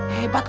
hebat lu kak